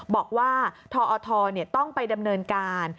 บอกว่าทอทต้องไปดำเนินการ